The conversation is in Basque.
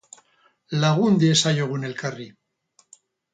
Lagun diezaiogun elkarri